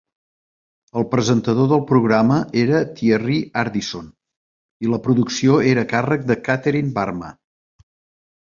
El presentador del programa era Thierry Ardisson i la producció era a càrrec de Catherine Barma.